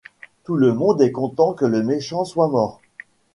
Tout le monde est content que le méchant soit mort.